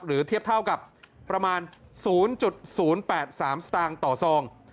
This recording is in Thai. เทียบเท่ากับประมาณ๐๐๘๓สตางค์ต่อซอง